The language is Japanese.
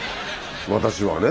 私はね。